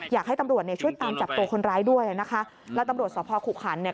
อยากให้ตำรวจเนี่ยช่วยตามจับตัวคนร้ายด้วยนะคะแล้วตำรวจสภขุขันเนี่ย